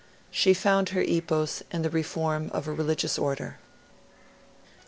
She found her epos in the reform of a religious order.